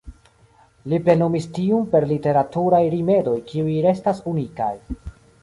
Li plenumis tiun per literaturaj rimedoj kiuj restas unikaj.